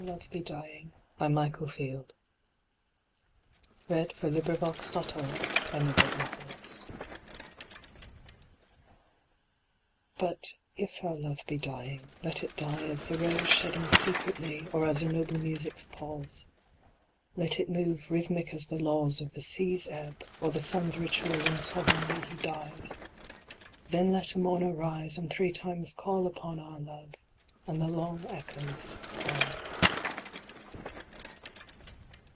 G H . I J . K L . M N . O P . Q R . S T . U V . W X . Y Z But if our love be dying BUT if our love be dying let it die As the rose shedding secretly, Or as a noble music's pause: Let it move rhythmic as the laws Of the sea's ebb, or the sun's ritual When soverignly he dies: Then let a mourner rise and three times call Upon our love, and the long echoes fall.